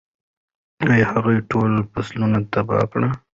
ایا هغه ټول فصلونه تباه کړل؟